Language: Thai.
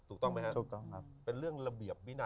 ถูกต้องมั้ยฮะถูกต้องครับเป็นเรื่องระเบียบ